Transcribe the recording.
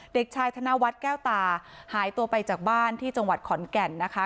เด็กชายธนวัฒน์แก้วตาหายตัวไปจากบ้านที่จังหวัดขอนแก่นนะคะ